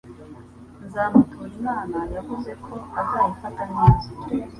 Nzamuturimana yavuze ko azayifata neza